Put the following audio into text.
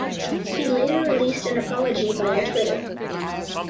He later released an apology via Twitter.